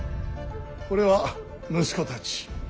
これは息子たち。